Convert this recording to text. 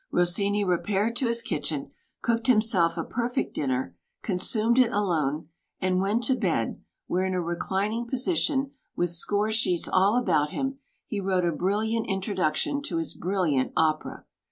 Rossini re paired to his kitchen, cooked himself a perfect dinner, consumed it alone, and went to bed where in a reclining position with score sheets all about him, he wrote a bril liant introduction to his brilliant opera.